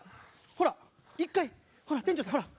ほら一回ほら店長さんほら。